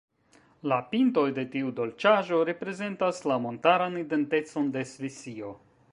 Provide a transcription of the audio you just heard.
La "pintoj" de tiu dolĉaĵo reprezentas la montaran identecon de Svisio.